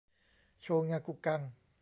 โชงะกุกัง